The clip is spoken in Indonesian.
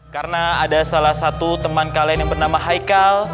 karena ada salah satu teman kalian yang bernama haikal